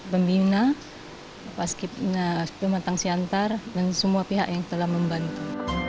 pembina pematang siantar dan semua pihak yang telah membantu